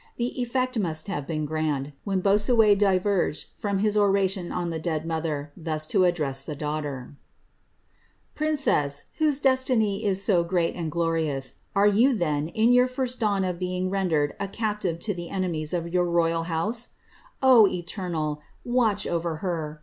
The effect must have been grand, when Boi^suet diverged from his oration on the dead mother, thus to address the daughter :—*• Prince«s. whose destiny is so great and glorious, are you, then, in your first «!awn of being rendered a captive to the enemies of your royal house 1 O Eter nal ! watch over her!